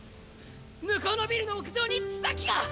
向こうのビルの屋上に治崎が！